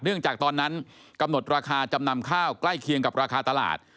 จากตอนนั้นกำหนดราคาจำนำข้าวใกล้เคียงกับราคาตลาด